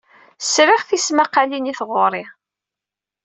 Sriɣ tismaqqalin i tɣuri.